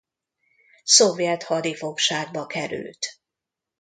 Szovjet hadifogságba került.